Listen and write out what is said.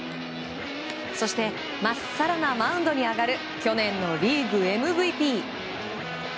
そして、まっさらなマウンドに上がる去年のリーグＭＶＰ。